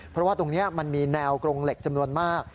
เพราะว่าตรงนี้มันมีแนวกรงเหล็กจำนวนมาก